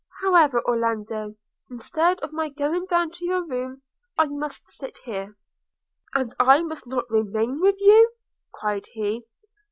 However, Orlando, instead of my going down to your room, I must sit here.' 'And I must not remain with you?' cried he.